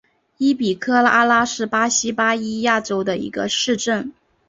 伊比科阿拉是巴西巴伊亚州的一个市镇。